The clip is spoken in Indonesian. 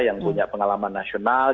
yang punya pengalaman nasional